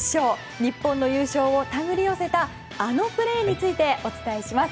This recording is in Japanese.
日本の優勝を手繰り寄せたあのプレーについてお伝えします。